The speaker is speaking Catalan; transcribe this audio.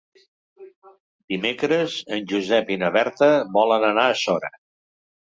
Dimecres en Josep i na Berta volen anar a Sora.